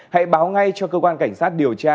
hãy báo ngay cho cơ quan cảnh sát điều tra